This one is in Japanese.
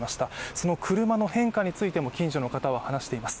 その車の変化についても近所の方は話しています。